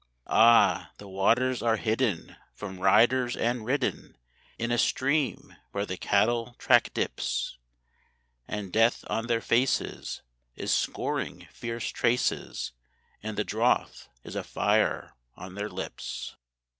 Ah! the waters are hidden from riders and ridden In a stream where the cattle track dips; And Death on their faces is scoring fierce traces, And the drouth is a fire on their lips.